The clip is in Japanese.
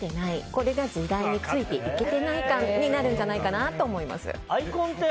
これが時代についていけてない感になるんじゃないかなと思います。